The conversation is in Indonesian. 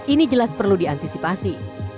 ini jelas perlu diantisipasi